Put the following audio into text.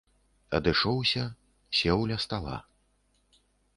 Адышоўся, сеў ля стала.